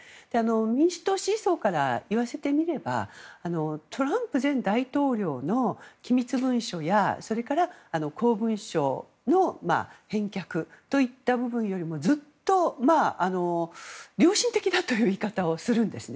民主党支持層から言わせてみればトランプ前大統領の機密文書やそれから公文書の返却といった部分よりもずっと良心的だという言い方をするんですね。